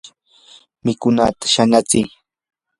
mikunata shanachi.